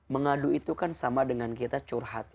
mengadu itu kan sama dengan kita curhat